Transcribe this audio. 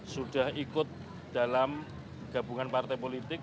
sudah ikut dalam gabungan partai politik